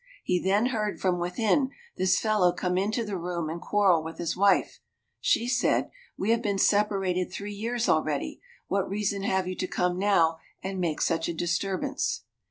He then heard, from within, this fellow come into the room and quarrel with his wife. She said, "We have been separated three years already; what reason have you to come now and make such a disturbance?"